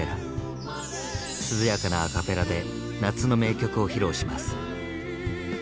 涼やかなアカペラで夏の名曲を披露します。